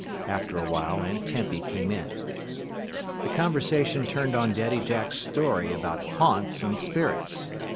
After a while Aunt Tempy came in. The conversation turned on Daddy Jack's story about "haunts" and spirits.